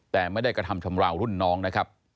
แต่ไม่ได้กระทำชำราวรุ่นน้องนะครับ